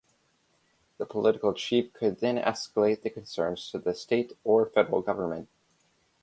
The political chief could then escalate the concerns to the state or federal government.